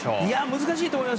難しいと思います。